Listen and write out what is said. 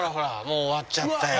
もう終わっちゃったよ。